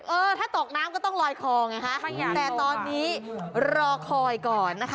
เออถ้าตกน้ำก็ต้องลอยคอไงฮะแต่ตอนนี้รอคอยก่อนนะคะ